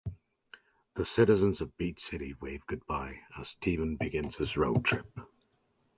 The citizens of Beach City wave goodbye as Steven begins his road trip.